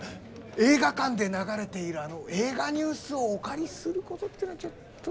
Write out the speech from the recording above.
映画館で流れている映画ニュースをお借りすることっていうのはちょっとでき？